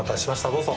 どうぞ。